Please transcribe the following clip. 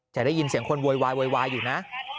จะได้ยินเสียงคนโวยวายอยู่นะ